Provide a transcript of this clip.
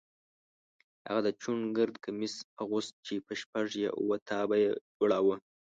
هغه د چوڼ ګرد کمیس اغوست چې په شپږ یا اووه تابه یې جوړاوه.